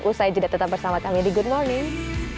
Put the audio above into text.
usai jeda tetap bersama kami di good morning